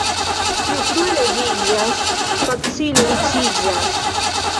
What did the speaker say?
Kiu frue leviĝas, facile riĉiĝas.